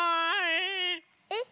えっ？